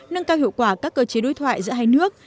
nâng cao hiệu quả các cơ chế đối thoại giữa hai nước